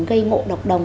gây ngộ độc đồng